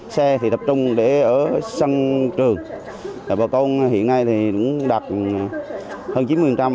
xe thì tập trung để ở sân trường bà con hiện nay đạt hơn chín mươi